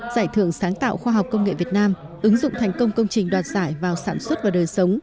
giải thưởng sáng tạo khoa học công nghệ việt nam ứng dụng thành công công trình đoạt giải vào sản xuất và đời sống